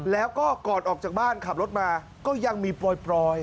แล้วก็ก่อนออกจากบ้านขับรถมาก็ยังมีปล่อย